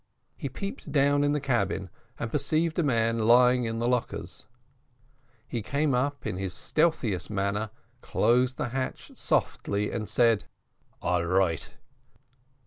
He peeped down in the cabin, and perceived a man lying on the lockers; he came up in his stealthy manner, closed the hatch softly, and said, "all right."